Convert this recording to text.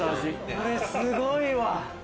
これすごいわ。